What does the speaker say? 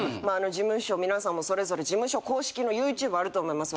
事務所皆さんもそれぞれ事務所公式のＹｏｕＴｕｂｅあると思います。